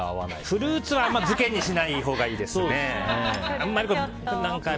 フルーツは漬けにしないほうがいいですね。